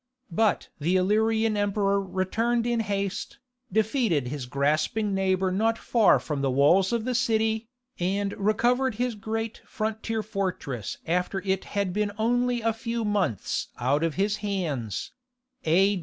But the Illyrian emperor returned in haste, defeated his grasping neighbour not far from the walls of the city, and recovered his great frontier fortress after it had been only a few months out of his hands [A.